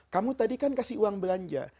kamu tadi kan kasih uang belanja